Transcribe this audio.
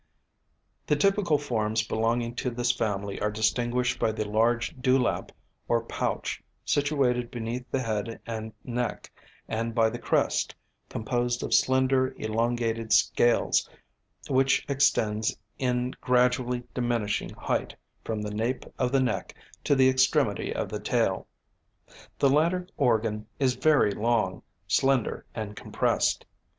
The typical forms belonging to this family are distinguished by the large dewlap or pouch situated beneath the head and neck, and by the crest, composed of slender elongated scales, which extends in gradually diminishing height from the nape of the neck to the extremity of the tail. The latter organ is very long, slender and compressed.